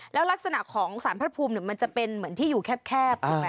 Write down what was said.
แล้วลักษณะของสารพระภูมิมันจะเป็นเหมือนที่อยู่แคบถูกไหม